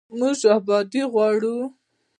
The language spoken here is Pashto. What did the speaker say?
موږ ابادي غواړو